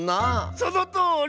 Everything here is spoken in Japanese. そのとおり！